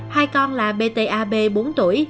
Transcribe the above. hai con là b t a b bốn tuổi